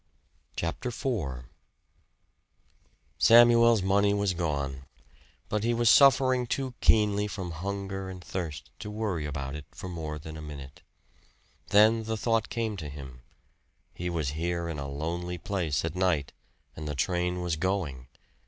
CHAPTER IV Samuel's money was gone, but he was suffering too keenly from hunger and thirst to worry about it for more than a minute. Then the thought came to him he was here in a lonely place at night, and the train was going!